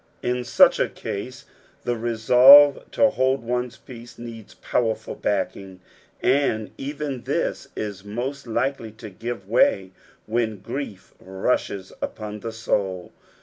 In such & case the resolve to hold one's peace needs powerful backing, and even this is most likely to give way when grief nisbes upon the soul.